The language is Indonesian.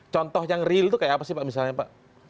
contoh yang real itu kayak apa sih pak misalnya pak